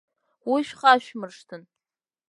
Уи шәхашәмыршҭын.